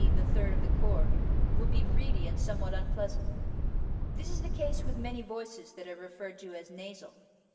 _, the third of the chord) will be reedy and somewhat unpleasant. This is the case with many voices that are referred to as nasal.